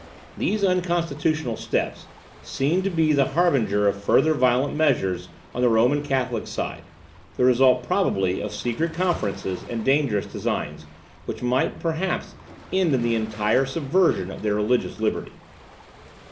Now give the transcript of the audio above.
These unconstitutional steps seemed to be the harbingers of further violent measures on the Roman Catholic side, the result, probably, of secret conferences and dangerous designs, which might perhaps end in the entire subversion of their religious liberty.